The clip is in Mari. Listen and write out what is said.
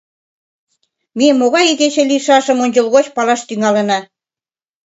— Ме могай игече лийшашым ончылгоч палаш тӱҥалына.